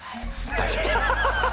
大丈夫です。